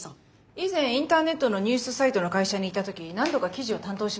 以前インターネットのニュースサイトの会社にいた時に何度か記事を担当しました。